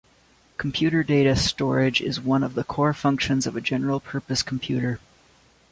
Computer data storage is one of the core functions of a general purpose computer.